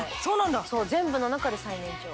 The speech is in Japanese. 全部の中で最年長。